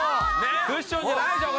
クッションじゃないでしょ